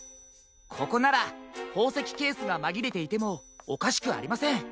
ここならほうせきケースがまぎれていてもおかしくありません。